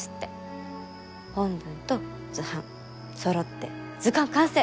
本文と図版そろって図鑑完成！